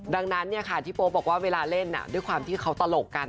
ดังนั้นที่โป๊ปบอกว่าเวลาเล่นด้วยความที่เขาตลกกัน